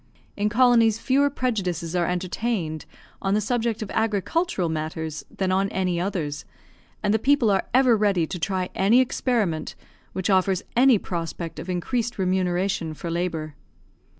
In colonies fewer prejudices are entertained on the subject of agricultural matters than on any others, and the people are ever ready to try any experiment which offers any prospect of increased remuneration for labour.